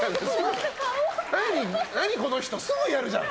何この人、すぐやるじゃん！